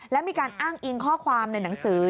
และมีการอ้างอิงข้อความในหนังสือ